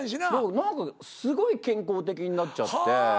何かすごい健康的になっちゃって。